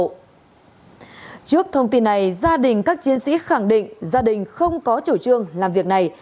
trước thông tin này gia đình các chiến sĩ khẳng định gia đình không có chủ trương làm việc này